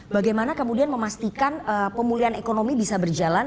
bagaimana kemudian memastikan pemulihan ekonomi bisa berjalan